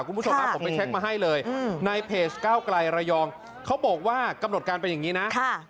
คุณผู้ชมครับผมไปเช็คมาให้เลยในเพจก้าวไกลระยองเขาบอกว่ากำหนดการเป็นอย่างนี้นะ